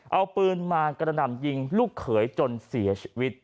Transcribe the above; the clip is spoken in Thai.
เอาปืนมากระหน่ำยิงลูกเขยจนเสียชีวิต